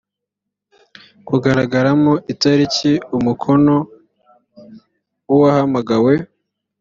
kugaragaramo itariki umukono w uwahamagawe